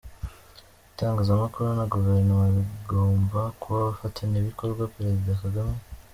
Itangazamakuru na Guverinoma bigomba kuba abafatanya bikorwa- Perezida Kagame